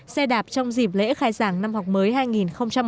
xe đạp trong dịp lễ khai giảng năm học mới hai nghìn một mươi tám